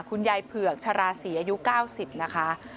คุณยายเผือกชราศีอายุ๙๐นะคะ